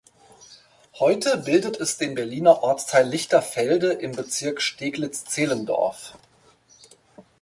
Heute bildet es den Berliner Ortsteil Lichterfelde im Bezirk Steglitz-Zehlendorf.